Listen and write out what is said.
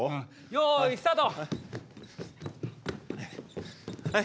よいスタート！